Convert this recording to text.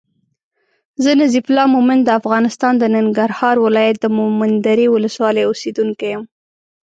زه نظیف الله مومند د افغانستان د ننګرهار ولایت د مومندرې ولسوالی اوسېدونکی یم